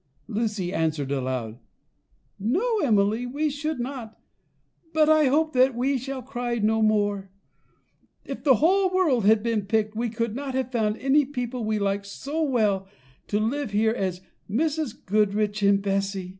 Lucy answered aloud: "No, Emily, we should not; but I hope that we shall cry no more. If the whole world had been picked, we could not have found any people we like so well to live here as Mrs. Goodriche and Bessy."